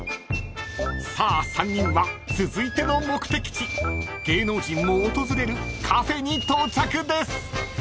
［さあ３人は続いての目的地芸能人も訪れるカフェに到着です］